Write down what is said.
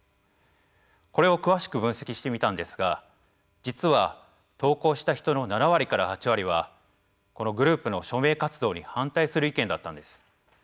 これを詳しく分析してみたんですが実は投稿した人の７割から８割はこのグループの署名活動に反対する意見だったんです。